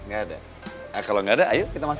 gak ada kalau gak ada ayo kita masuk